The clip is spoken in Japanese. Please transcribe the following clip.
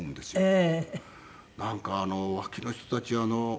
ええ。